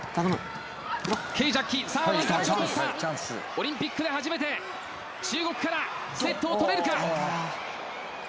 オリンピックで初めて中国からセットを取れるか？